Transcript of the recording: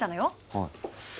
はい。